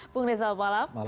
bung rizal salam malam